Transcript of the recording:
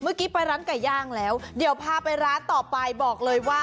เมื่อกี้ไปร้านไก่ย่างแล้วเดี๋ยวพาไปร้านต่อไปบอกเลยว่า